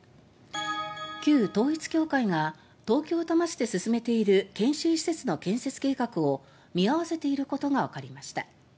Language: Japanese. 旧統一教会が東京・多摩市で進めている研修施設の建設計画を見合わせていることがわかりました。